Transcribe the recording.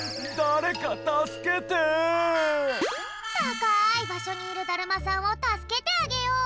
たかいばしょにいるだるまさんをたすけてあげよう！